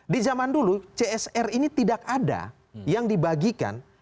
di zaman dulu csr ini tidak ada yang dibagikan